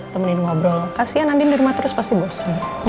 temenin ngobrol kasian andien di rumah terus pasti bosan